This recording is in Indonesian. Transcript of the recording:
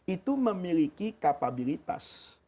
itu memiliki kapabilitas